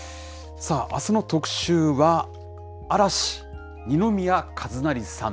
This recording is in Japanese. さあ、あすの特集は、嵐・二宮和也さん。